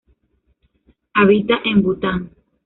Habita en Bután.